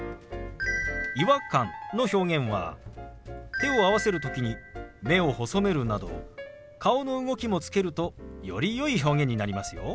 「違和感」の表現は手を合わせる時に目を細めるなど顔の動きもつけるとよりよい表現になりますよ。